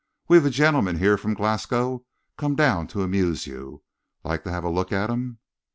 We've a gentleman here from Glasgow come down to amuse you. Like to have a look at him?"